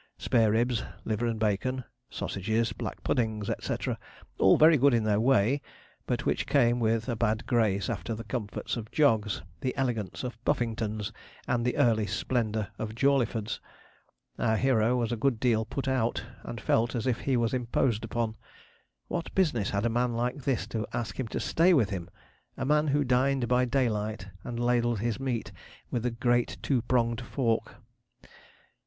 Spare ribs, liver and bacon, sausages, black puddings, &c. all very good in their way, but which came with a bad grace after the comforts of Jog's, the elegance of Puffington's, and the early splendour of Jawleyford's. Our hero was a good deal put out, and felt as if he was imposed upon. What business had a man like this to ask him to stay with him a man who dined by daylight, and ladled his meat with a great two pronged fork?